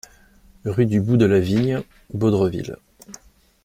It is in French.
Rue du Bout de la Vigne, Baudreville